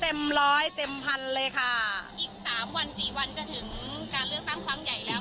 เต็มร้อยเต็มพันเลยค่ะอีกสามวันสี่วันจะถึงการเลือกตั้งครั้งใหญ่แล้ว